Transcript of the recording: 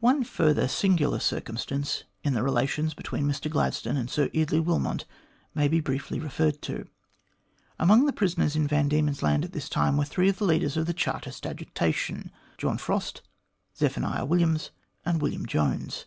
One further singular circumstance in the relations between Mr Gladstone and Sir Eardley Wilmot may be briefly referred to. Amongst the prisoners in Van Diemen's Land at this time were three of the leaders of the Chartist .agitation John Frost, Zephaniah Williams, and William Jones.